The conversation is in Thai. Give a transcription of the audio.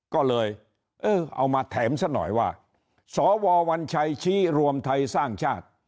ก็เลยเออเอามาแถมซะหน่อยว่าสววัญชัยชี้รวมไทยสร้างชาติ